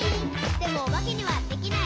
「でもおばけにはできない。」